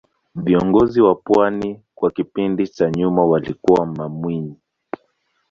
viongozi wa pwani kwa kipindi cha nyuma walikuwa mamwinyi